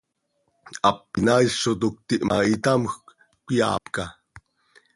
Hap inaail zo toc cötiih ma, itamjc, cöyaapca.